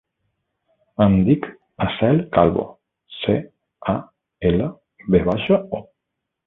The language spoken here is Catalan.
Em dic Aseel Calvo: ce, a, ela, ve baixa, o.